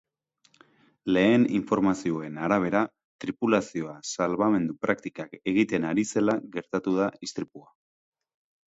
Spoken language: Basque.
Lehen informazioen arabera, tripulazioa salbamendu praktikak egiten ari zela gertatu da istripua.